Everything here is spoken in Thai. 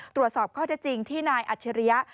ตรวจสอบข้อเท็จจริงที่นายอัจฉริยะ